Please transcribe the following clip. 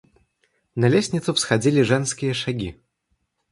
На лестницу всходили женские шаги.